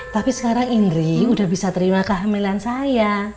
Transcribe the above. tapi sekarang indri udah bisa terima kehamilan saya